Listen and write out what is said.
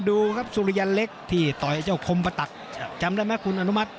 ดูครับสุริยันเล็กที่ต่อยเจ้าคมประตักจำได้ไหมคุณอนุมัติ